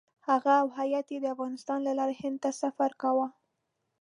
هغه او هیات یې د افغانستان له لارې هند ته سفر کاوه.